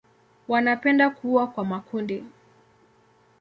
Wanapenda kuwa kwa makundi.